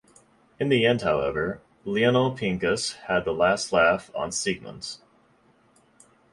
In the end, however, Lionel Pincus had the last laugh on Siegmund.